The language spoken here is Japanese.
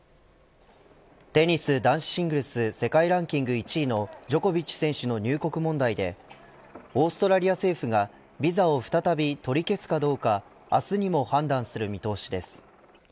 テニス男子シングルス世界ランキング１位のジョコビッチ選手の入国問題でオーストラリア政府がビザを再び取り消すかどうか明日にも判断する見通しです。